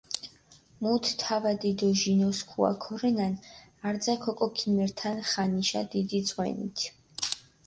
მუთ თავადი დო ჟინოსქუა ქორენან, არძაქ ოკო ქიმერთან ხანიშა დიდი ძღვენით.